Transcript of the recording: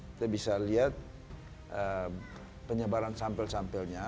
kita bisa lihat penyebaran sampel sampelnya